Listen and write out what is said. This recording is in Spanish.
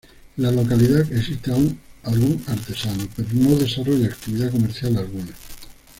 En la localidad existe aún algunos artesanos, pero no desarrollan actividad comercial alguna.